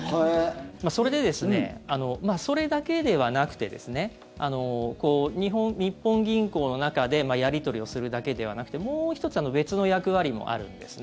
それで、それだけではなくて日本銀行の中でやり取りをするだけではなくてもう１つ別の役割もあるんですね。